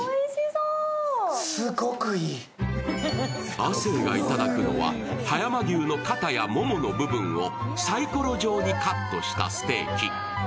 亜生が頂くのは葉山牛の肩やももの部分をサイコロ状にカットしたステーキ。